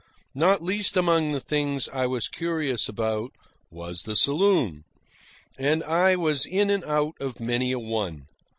Not least among the things I was curious about was the saloon. And I was in and out of many a one.